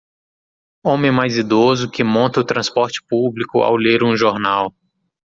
Homem mais idoso que monta o transporte público ao ler um jornal.